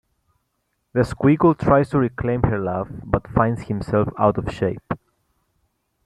The squiggle tries to reclaim her love, but finds himself out of shape.